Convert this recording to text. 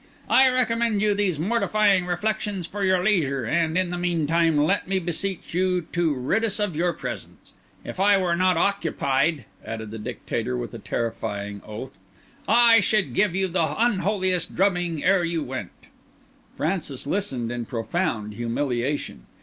I recommend you these mortifying reflections for your leisure; and, in the meantime, let me beseech you to rid us of your presence. If I were not occupied," added the Dictator, with a terrifying oath, "I should give you the unholiest drubbing ere you went!" Francis listened in profound humiliation.